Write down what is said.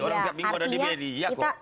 orang tiap minggu ada di media kok